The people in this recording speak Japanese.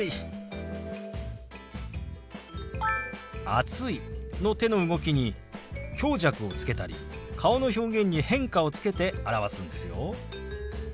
「暑い」の手の動きに強弱をつけたり顔の表現に変化をつけて表すんですよ。